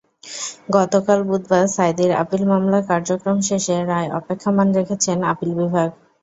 গতকাল বুধবার সাঈদীর আপিল মামলার কার্যক্রম শেষে রায় অপেক্ষমাণ রেখেছেন আপিল বিভাগ।